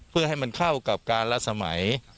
เพื่อให้มันเข้ากับการละสมัย